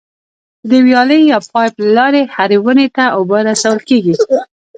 د ویالې یا پایپ له لارې هرې ونې ته اوبه رسول کېږي.